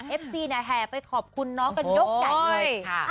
จีนแห่ไปขอบคุณน้องกันยกใหญ่เลย